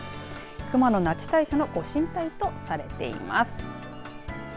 熊野那智大社のご神体とされています。